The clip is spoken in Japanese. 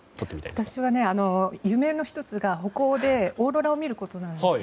私は夢の１つが北欧でオーロラを見ることなんです。